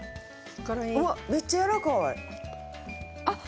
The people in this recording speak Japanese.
うわ、めっちゃ、やらかい！